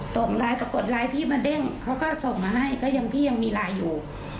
ส่งไลน์ปรากฏไลน์พี่มาเด้งเขาก็ส่งมาให้ก็ยังพี่ยังมีไลน์อยู่